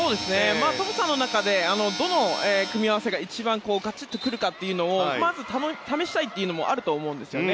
トムさんの中でどの組み合わせが一番ガチッと来るかというのをまず試したいというのもあると思うんですね。